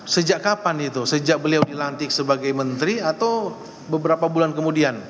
sejak kapan itu sejak beliau dilantik sebagai menteri atau beberapa bulan kemudian